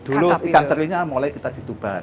dulu ikan terinya mulai kita dituban